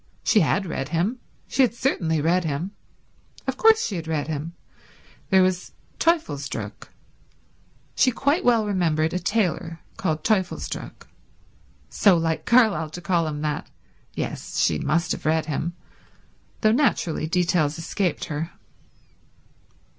She had read him; she had certainly read him. Of course she had read him. There was Teufelsdröck—she quite well remembered a tailor called Teufelsdröck. So like Carlyle to call him that. Yes, she must have read him, though naturally details escaped her.